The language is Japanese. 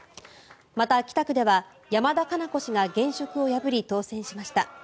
また、北区では山田加奈子氏が現職を破り当選しました。